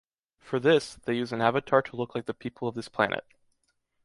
For this, they use an avatar to look like the people of this planet.